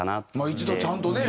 一度ちゃんとね